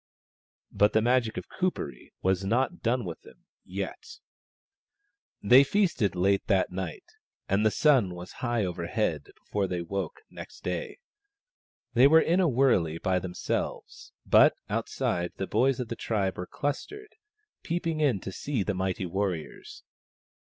But the Magic of Kuperee was not done with them yet. They feasted late that night, and the sun was high overhead before they woke next day. They were in a wurley by themselves, but outside the boys of the tribe were clustered, peeping in to see the mighty warriors.